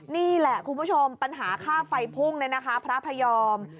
นี่แหละคุณผู้ชมปัญหาค่าไฟพุ่งพระพยอม